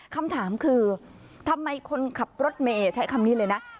คำถามคือทำไมคนขับรถเมย์ใช้คำนี้เลยนะ